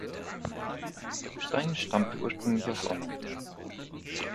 Stein stammte ursprünglich aus London.